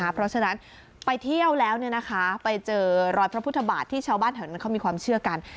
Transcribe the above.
เพราะฉะนั้นไปเที่ยวแล้วไปเจอรอยพระพุทธบาทที่ชาวบ้านแถวนั้นเขามีความเชื่อกัน